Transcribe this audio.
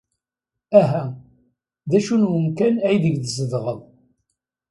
Aha, d acu n wemkan aydeg tzedɣeḍ?